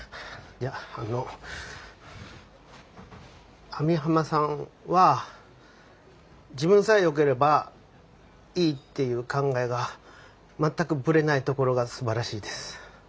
あの網浜さんは自分さえよければいいっていう考えが全くブレないところがすばらしいです。